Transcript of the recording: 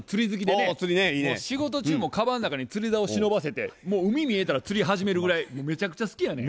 もう仕事中もカバンの中に釣りざお忍ばせてもう海見えたら釣り始めるぐらいめちゃくちゃ好きやねん。